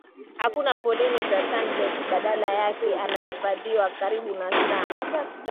Hakuna foleni za sunbeds badala yake anahifadhiwa karibu na saa